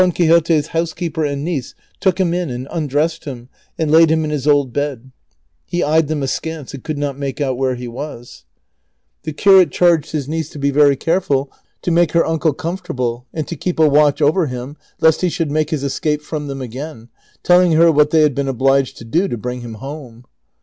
Quixote's housekeeper and niece took him in and undressed him and laid him in his old bed. He eyed them askance, and could not make out where he was. The » Prov. 138. 440 DON QUIXOTE. curate charged his niece to be very careful to make her uncle comfortable and to keep a Avatch over him lest he should make his escape from them again, "telling her what they had been obliged to do to bring him home.